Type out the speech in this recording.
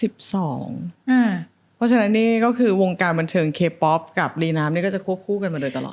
เพราะฉะนั้นนี่ก็คือวงการบันเทิงเคป๊อปกับรีน้ำก็จะควบคู่กันมาโดยตลอด